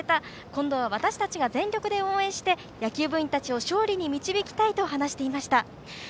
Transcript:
今度は私たちが全力で応援して野球部員たちを勝利に導きたいと話していました。